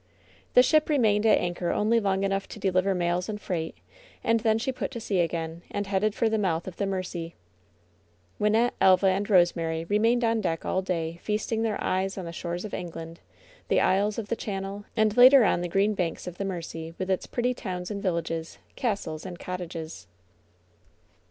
The ship remained at anchor only long enough to de liver mails and freight, and then she put to sea again and headed for the mouth of the Mersey. Wynnette, Elva and Rosemary remained on deck all day feasting their eyes on the shores of England, the isles of the channel, and later on the green banks of the Mersey with its pretty towns and villages, castles and cottages.